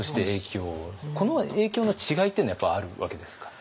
この影響の違いっていうのはやっぱりあるわけですか。